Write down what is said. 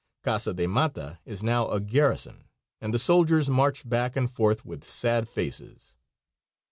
Casa de Mata is now a garrison, and the soldiers march back and forth with sad faces.